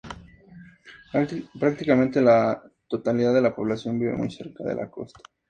Prácticamente la totalidad de la población vive muy cerca de la costa.